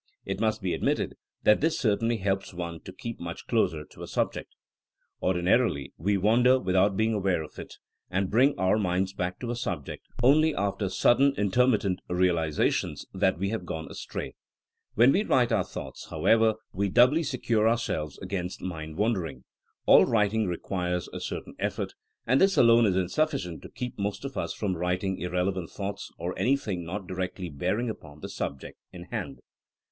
It must be admitted that this certainly helps one to keep much closer to a subject. Ordinarily we wan der without being aware of it, and bring our minds back to ^ subject only after sudden inter mittent realizations that we have gone astray. When we write our thoughts, however, we doubly secure ourselves against mind wander ing. All writing requires a certain effort, and this alone is sufficient to keep most of us from writing irrelevant thoughts, or anything not directly bearing upon the subject in hand.